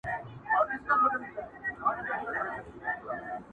دی هم بل غوندي اخته په دې بلا سو؛